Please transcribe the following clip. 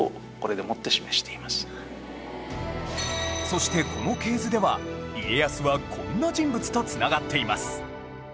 そしてこの系図では家康はこんな人物と繋がっています